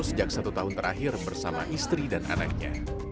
sejak satu tahun terakhir bersama istri dan anaknya